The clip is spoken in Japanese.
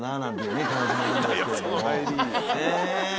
ねえ。